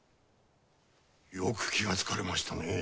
よく気がつかれましたね。